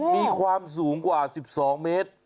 มีความสูงกว่า๑๒เมตร